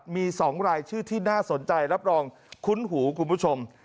มี๒รายชื่อที่น่าสนใจรับรองคุ้นหูคุณผู้ชม